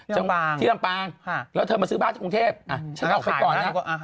จังหวัดที่ลำปางแล้วเธอมาซื้อบ้านที่กรุงเทพฉันออกไปก่อนนะ